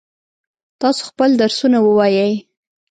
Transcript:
تاسو خپل درسونه ووایئ.